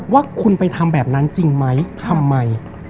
ว่าคุณไปทำแบบนั้นจริงไหมทำไม